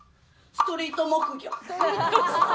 ストリート木魚。